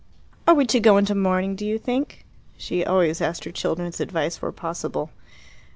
"Are we to go into mourning, do you think?" She always asked her children's advice where possible.